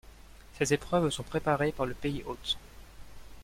Ces épreuves sont préparées par le pays hôte.